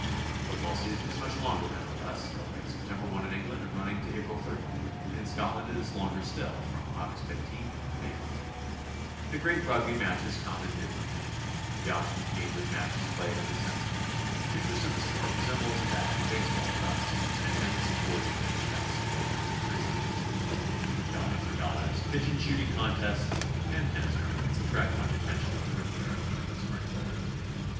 The football season is much longer than with us, opening Sep^. i in England and running to April 30; in Scotland it is longer still, from Aug. 15 to May 15, The great Rugby matches come in mid WHY, WHO, AND WHEN TO GO. 21 winter. The Oxford Cambridge miatch is played in Decem ber. Interest in the sport resembles that in baseball with us, an attendance of forty or fifty thousand being not infrequent. Yachting regattas, pigeon shooting contests and tennis tournaments attract much attention on the Riviera in the early spring.